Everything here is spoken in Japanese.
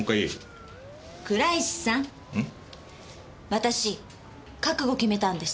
私覚悟決めたんです。